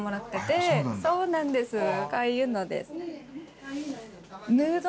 こういうのです。